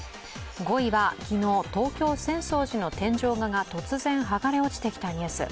５位は昨日、東京・浅草寺の天井画が突然剥がれ落ちてきたニュース。